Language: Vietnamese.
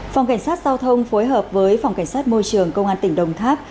phòng cảnh sát giao thông phối hợp với phòng cảnh sát môi trường công an tỉnh đồng tháp